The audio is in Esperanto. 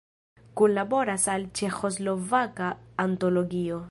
Kunlaboras al Ĉeĥoslovaka antologio.